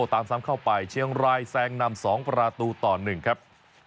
ตามซ้ำเข้าไปเชียงรายแซงนำ๒ประตูต่อ๑ครับ